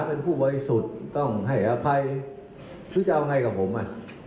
เป็นผู้บริสุทธิ์ต้องให้อภัยหรือจะเอาไงกับผมอ่ะ